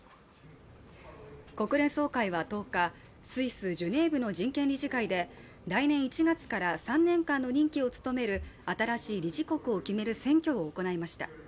国連総会は１０日、スイス・ジュネーブの人権理事会で来年１月から３年間の任期を務める新しい理事国を決める選挙を決めました。